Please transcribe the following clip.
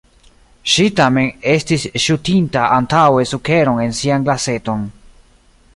Ŝi tamen estis ŝutinta antaŭe sukeron en sian glaseton.